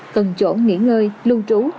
cần chỗ nghỉ ngơi lưu trú